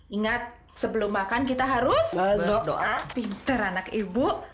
ingat sebelum makan kita harus berdoa pinter anak ibu ayo makan